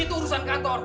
itu urusan kantor